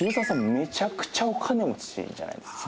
めちゃくちゃお金持ちじゃないですか？